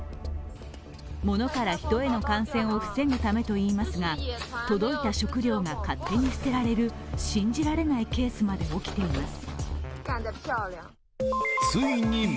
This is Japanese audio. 物から人への感染を防ぐためといいますが届いた食料が勝手に捨てられる信じられないケースまで起きています。